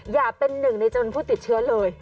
อย่าเป็นหนึ่งในจนผู้ติดเชื้อเลย